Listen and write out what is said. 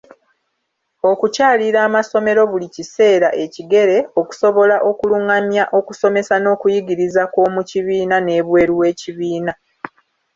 Okukyalira amasomero buli kiseera ekigere, okusobola okulungamya okusomesa n'okuyigiriza kw'omukibiina n'ebweru w'ekibiina.